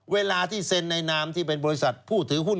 เวลาที่เซ็นในนามที่เป็นบริษัทผู้ถือหุ้น